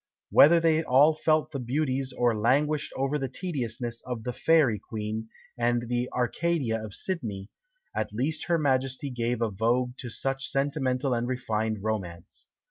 Whether they all felt the beauties, or languished over the tediousness of "The Faerie Queen," and the "Arcadia" of Sidney, at least her majesty gave a vogue to such sentimental and refined romance.